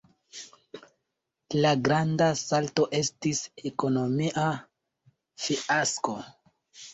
La Granda Salto estis ekonomia fiasko.